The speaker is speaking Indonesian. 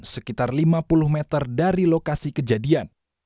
sekitar lima puluh meter dari lokasi kejadian